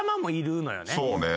そうね。